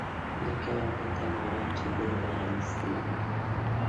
_لکه له تناره چې دې را ايستلې وي.